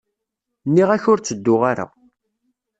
Nniɣ-ak ur ttedduɣ ara.